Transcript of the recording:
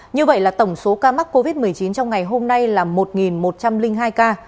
như vậy là tổng số ca mắc covid một mươi chín trong ngày hôm nay là một một trăm linh hai ca